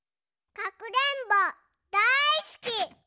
かくれんぼだいすき！